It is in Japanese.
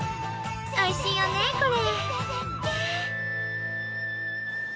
おいしいよねこれ！